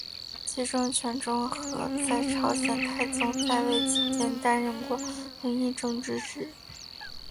其中权仲和在朝鲜太宗在位期间担任过领议政之职。